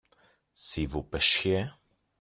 si vous pêchiez.